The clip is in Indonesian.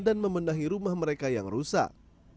dan memendahi rumah mereka yang rusak